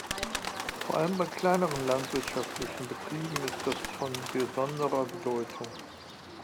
Vor allem bei kleineren landwirtschaftlichen Berieben ist das von besonderer Bedeutung.